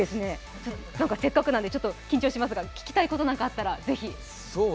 せっかくなんで緊張しますが聞きたいことなんかあったらぜひ。